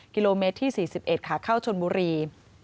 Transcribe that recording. กิโลเมตรที่๔๑ขาเข้าชนบุรี